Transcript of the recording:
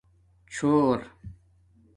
چِݸر